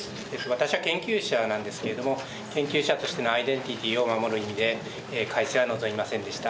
私は研究者なんですけれども研究者としてのアイデンティティーを守る意味で改姓は望みませんでした。